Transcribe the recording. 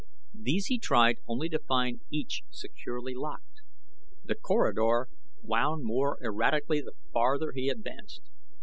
These he tried only to find each securely locked. The corridor wound more erratically the farther he advanced.